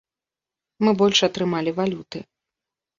Мы больш атрымалі валюты.